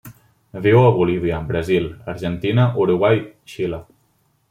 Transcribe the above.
Viu a Bolívia, Brasil, Argentina, Uruguai, Xile.